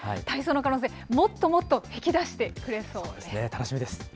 体操の魅力、もっともっと引き出してくれそうです。